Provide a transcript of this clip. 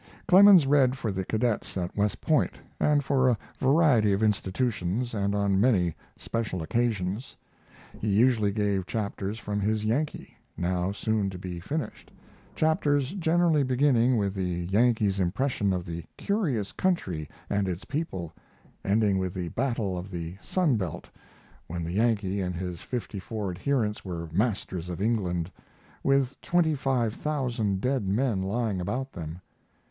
Clemens read for the cadets at West Point and for a variety of institutions and on many special occasions. He usually gave chapters from his Yankee, now soon to be finished, chapters generally beginning with the Yankee's impression of the curious country and its people, ending with the battle of the Sun belt, when the Yankee and his fifty four adherents were masters of England, with twenty five thousand dead men lying about them.